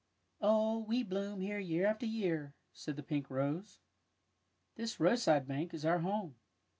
'^ Oh, we bloom here year after year," said the pink rose. '^ This roadside bank is our home.